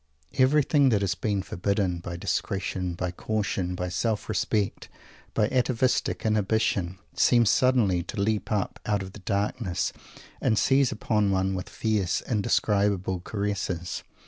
Everything that has been forbidden, by discretion, by caution, by self respect, by atavistic inhibition, seems suddenly to leap up out of the darkness and seize upon one with fierce, indescribable caresses.